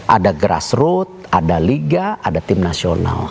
ada grassroot ada liga ada tim nasional